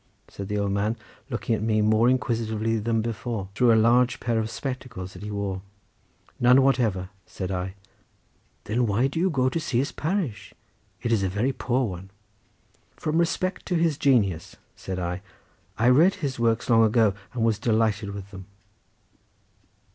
said the old man, looking at me more inquisitively than before, through a large pair of spectacles, which he wore. "None whatever," said I. "Then why do you go to see his parish? It is a very poor one." "From respect to his genius," said I; "I read his works long ago, and was delighted with them."